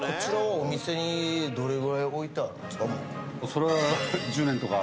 それは１０年とか。